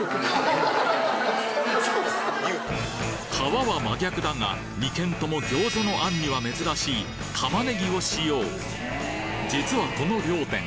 皮は真逆だが２軒とも餃子の餡には珍しい玉ねぎを使用実はこの両店